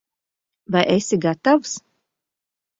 Vai esi gatavs?